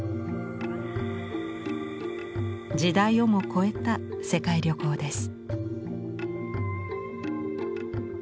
時代をも超えた世界旅行です。